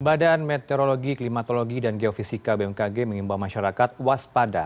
badan meteorologi klimatologi dan geofisika bmkg mengimbau masyarakat waspada